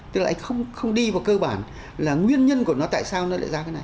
thế lại không đi vào cơ bản là nguyên nhân của nó tại sao nó lại ra cái này